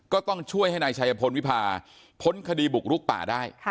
ก็ต้องช่วยให้นายชัยพลวิพาพ้นคดีบุกลุกป่าได้